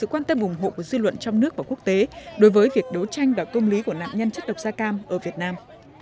của nạn nhân chất độc da cam ở việt nam